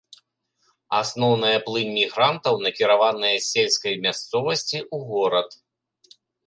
Асноўная плынь мігрантаў накіраваная з сельскай мясцовасці ў горад.